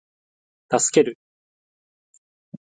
助ける